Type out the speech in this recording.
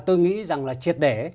tôi nghĩ rằng là triệt để